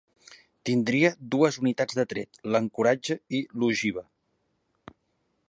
Tindria dues unitats de tret, l'ancoratge i l'ojiva.